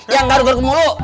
yang garu garu kemulu